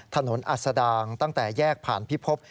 อัศดางตั้งแต่แยกผ่านพิภพ